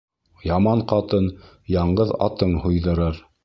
Яман ҡатын яңғыҙ атың һуйҙырыр.